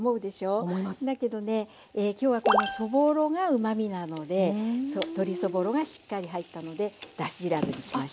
だけどね今日はこのそぼろがうまみなので鶏そぼろがしっかり入ったのでだしいらずにしました。